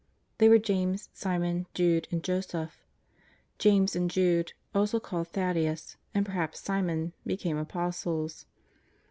They were James, Simon, Jude and Joseph. James and Jude (also called Thaddeus), and perhaps Simon, became Apostles.